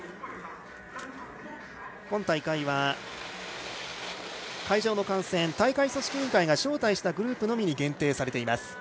今大会は会場の観戦大会組織委員会が招待したグループのみに限定されています。